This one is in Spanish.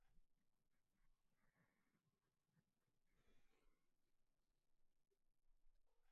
Al año siguiente participa en la telenovela de denuncia social "Los hijos de nadie".